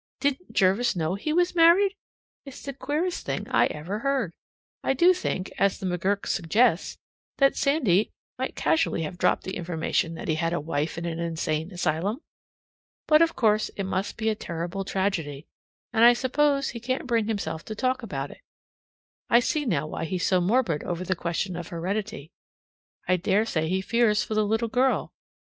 Didn't Jervis know he was married? It's the queerest thing I ever heard. I do think, as the McGurk suggests, that Sandy might casually have dropped the information that he had a wife in an insane asylum. But of course it must be a terrible tragedy and I suppose he can't bring himself to talk about it. I see now why he's so morbid over the question of heredity I dare say he fears for the little girl.